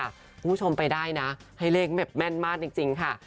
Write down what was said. คุณผู้ชมไปได้นะให้เลขแบบแม่นมากจริงค่ะ